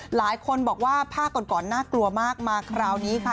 หลายคนบอกว่าภาคก่อนน่ากลัวมากมาคราวนี้ค่ะ